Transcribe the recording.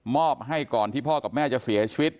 อบให้ก่อนที่พ่อกับแม่จะเสียชีวิต